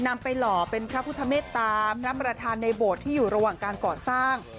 นำไปหล่อเป็นพระพุทธเมตตามพระประธานในโบสถ์ที่อยู่ระหว่างการก่อสร้าง